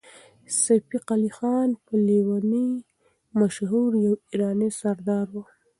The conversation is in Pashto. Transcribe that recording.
صفي قلي خان په لېوني مشهور يو ایراني سردار و.